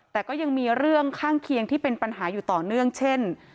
แต่ก็ยังมีเรื่องข้างเคียงที่เป็นปัญหาอยู่ต่อเนื่องเช่น